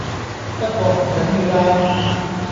不過唔緊要啦